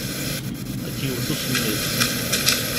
Ad k-yewwet usemmiḍ.